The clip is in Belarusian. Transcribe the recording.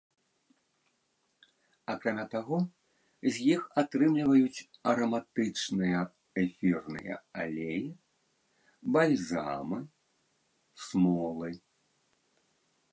Акрамя таго, з іх атрымліваюць араматычныя эфірныя алеі, бальзамы, смолы.